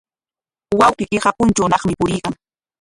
Wawqiykiqa punchuunaqmi puriykan.